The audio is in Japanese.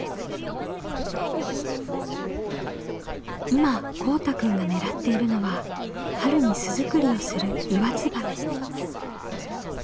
今こうたくんが狙っているのは春に巣作りをするイワツバメ。